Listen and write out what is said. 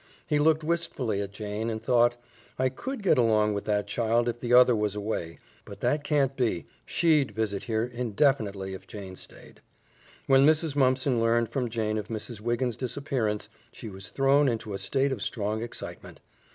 He looked wistfully at Jane, and thought, "I COULD get along with that child if the other was away. But that can't be; SHE'D visit here indefinitely if Jane stayed." When Mrs. Mumpson learned from Jane of Mrs. Wiggins' disappearance, she was thrown into a state of strong excitement.